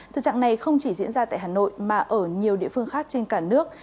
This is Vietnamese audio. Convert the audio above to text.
thực trạng này không chỉ diễn ra tại hà nội mà ở nhiều địa phương khác trên cả nước